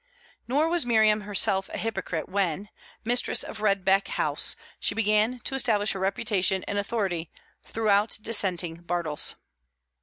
Nor was Miriam herself a hypocrite when, mistress of Redbeck House, she began to establish her reputation and authority throughout dissenting Bartles.